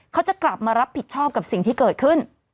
เขาจะกลับมารับผิดชอบกับสิ่งที่เกิดขึ้น